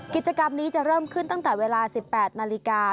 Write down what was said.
กิจกรรมนี้จะเริ่มขึ้นตั้งแต่เวลา๑๘นาฬิกา